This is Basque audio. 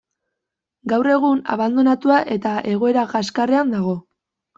Gaur egun, abandonatua eta egoera kaskarrean dago.